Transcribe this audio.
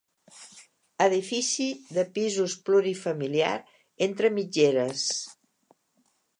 Edifici de pisos plurifamiliar entre mitgeres.